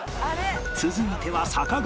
続いては坂上